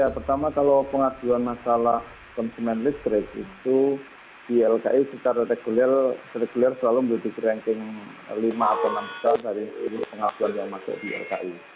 pertama kalau pengasuhan masalah konsumen listrik itu di ylki secara reguler selalu menduduki ranking lima atau enam dari pengasuhan yang masuk di ylki